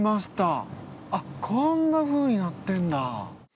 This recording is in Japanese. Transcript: こんなふうになってんだ。